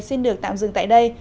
xin được tạm dừng tại đây